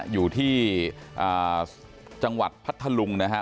อยู่ที่จังหวัดพัทธลุงนะฮะ